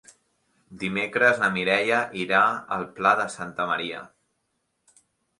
Dimecres na Mireia irà al Pla de Santa Maria.